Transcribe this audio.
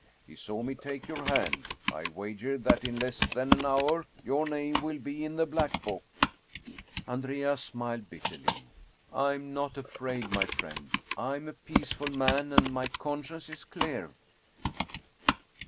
He saw me take your hand ; I wager that in less than an hour your name will be in the black book." Andrea smiled bitterly. " I am not afraid, my friend. I am a peaceful man and my conscience is clear."